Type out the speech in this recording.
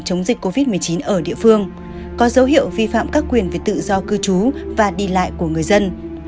chống dịch covid một mươi chín ở địa phương có dấu hiệu vi phạm các quyền về tự do cư trú và đi lại của người dân